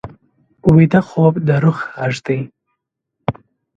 ویده خوب د روح غږ دی